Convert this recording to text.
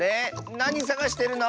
なにさがしてるの？